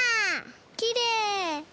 きれい！